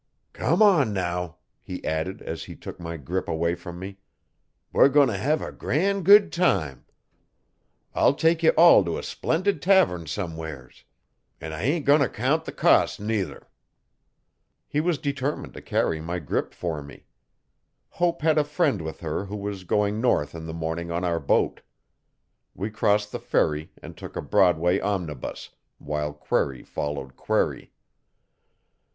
'Come on now,' he added as he took my grip away from me. 'We're goin' t' hev a gran' good time. I'll take ye all to a splendid tavern somewheres. An' I ain't goin' to count the cost nuther. He was determined to carry my grip for me. Hope had a friend with her who was going north in the morning on our boat. We crossed the ferry and took a Broadway omnibus, while query followed query.